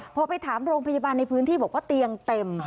พอไปถามโรงพยาบาลในพื้นที่บอกว่าเตียงเต็ม